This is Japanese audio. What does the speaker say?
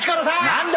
何だ？